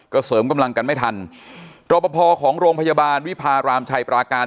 ก็เสริมกำลังกันไม่ทันรอปภของโรงพยาบาลวิพารามชัยปราการ